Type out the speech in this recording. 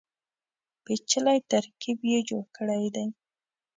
پېچلی ترکیب یې جوړ کړی دی.